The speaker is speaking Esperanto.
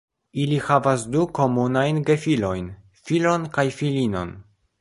Ili havas du komunajn gefilojn, filon kaj filinon.